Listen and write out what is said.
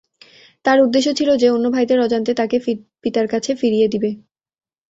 তার উদ্দেশ্য ছিল যে, অন্য ভাইদের অজান্তে তাকে পিতার কাছে ফিরিয়ে দিবে।